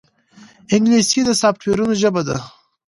انګلیسي د سافټویرونو ژبه ده